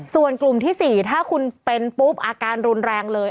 ส่วนกลุ่มที่๔ถ้าคุณเป็นปุ๊บอาการรุนแรงเลย